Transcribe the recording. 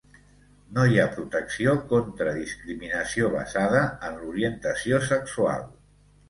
No hi ha protecció contra discriminació basada en l'orientació sexual.